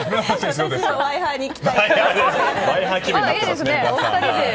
私もワイハーに行きたいです。